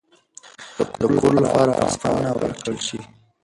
د کور لپاره عرض پاڼه ورکړل شي.